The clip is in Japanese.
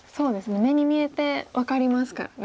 目に見えて分かりますからね。